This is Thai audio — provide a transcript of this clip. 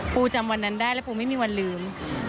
จำวันนั้นได้แล้วปูไม่มีวันลืม